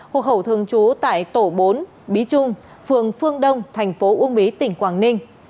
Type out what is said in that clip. hộ khẩu thường trú tại tổ bốn bí trung phường phương đông thành phố uông bí tỉnh quảng ninh